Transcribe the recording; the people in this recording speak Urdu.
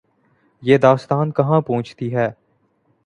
یہ داستان کہاں پہنچتی ہے۔